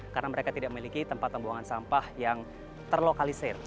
karena mereka tidak memiliki tempat pembuangan sampah yang terlokalisir